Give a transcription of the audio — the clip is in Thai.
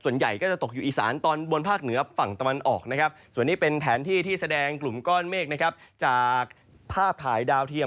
ในแบบแนงกลุ่มก้อนเมฆนะครับจากภาพหายดาวเทียม